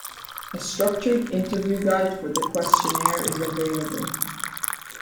A structured interview guide for the questionnaire is available.